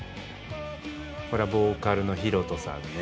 これはボーカルのヒロトさんね。